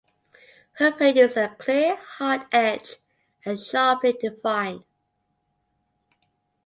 Her paintings are clear, hard-edged and sharply-defined.